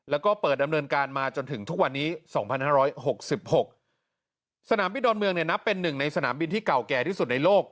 แล้วก็เปิดดำเนินการมาจนถึงทุกวันนี้๒๕๖๖สนามบินดอนเมืองเนี่ยนับเป็นหนึ่งในสนามบินที่เก่าแก่ที่สุดในโลก